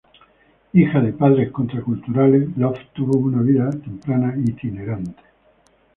Hija de padres contraculturales, Love tuvo una vida temprana itinerante.